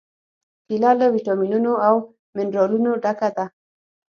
کېله له واټامینونو او منرالونو ډکه ده.